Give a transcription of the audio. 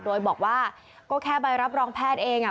โดยบอกว่าก็แค่ใบรับรองแพทย์เอง